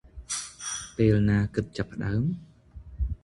ពេលណាគិតចាប់ផ្តើម?